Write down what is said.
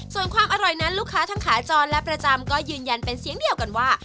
ส่วนความอร่อยนั้นลูกค้าทั้งขาจรและประจำก็ยืนยันเป็นเสียงเดียวกันว่า